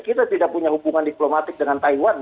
kita tidak punya hubungan diplomatik dengan taiwan